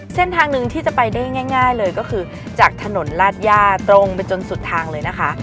เส้นทางหนึ่งที่จะไปได้ง่ายเลยก็คือจากถนนลาดย่าตรงไปจนสุดทางเลยนะคะ